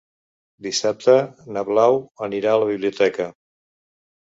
Dissabte na Blau anirà a la biblioteca.